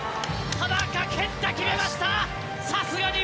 田中健太、決めました。